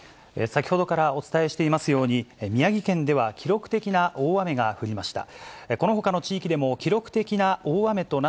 先ほどからお伝えしていますように、宮城県では記録的な大雨が降りました。